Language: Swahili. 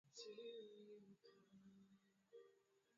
wameiwekea Mali vikwazo vikali vya biashara na kiuchumi